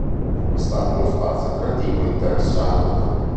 È stato uno spazio creativo interessante.